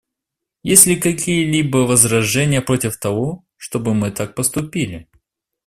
Есть ли какие-либо возражения против того, чтобы мы так поступили?